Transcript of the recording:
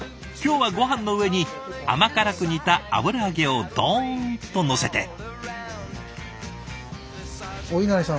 今日はごはんの上に甘辛く煮た油揚げをどんとのせて。